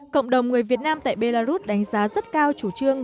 cộng đồng người việt nam tại belarus đánh giá rất cao chủ trương